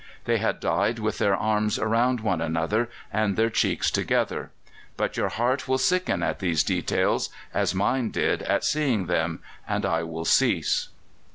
They had died with their arms around one another, and their cheeks together. But your heart will sicken at these details, as mine did at seeing them, and I will cease."